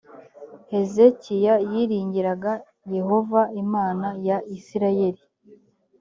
hezekiya yiringiraga yehova imana ya isirayeli